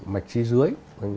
mạch chi dưới